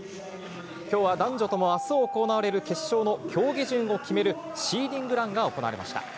きょうは男女ともあす行われる決勝の競技順を決めるシーディングランが行われました。